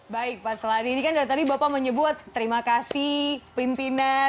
baik pak seladi ini kan dari tadi bapak menyebut terima kasih pimpinan